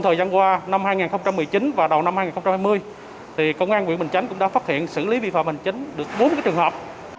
thời gian qua năm hai nghìn một mươi chín và đầu năm hai nghìn hai mươi công an quyện bình chánh cũng đã phát hiện xử lý vi phạm hành chính được bốn trường hợp